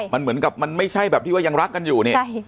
มันเหมือนกับมันไม่ใช่แบบที่ว่ายังรักกันอยู่เนี่ย